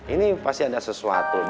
ini pasti ada sesuatu